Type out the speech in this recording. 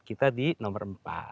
kita di nomor empat